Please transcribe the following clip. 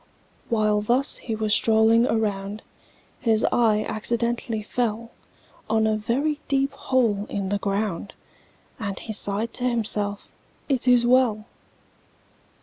While thus he was strolling around, His eye accidentally fell On a very deep hole in the ground, And he sighed to himself, "It is well!"